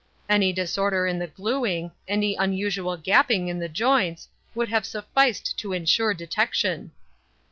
Any disorder in the glueing—any unusual gaping in the joints—would have sufficed to insure detection."